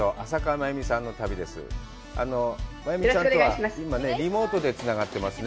真由美さんとは今リモートでつながってますね。